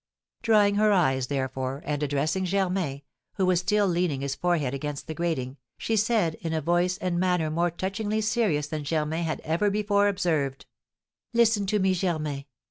Drying her eyes, therefore, and addressing Germain, who was still leaning his forehead against the grating, she said, in a voice and manner more touchingly serious than Germain had ever before observed: "Listen to me, Germain!